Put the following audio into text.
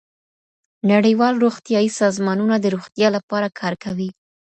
نړیوال روغتیايي سازمانونه د روغتیا لپاره کار کوي.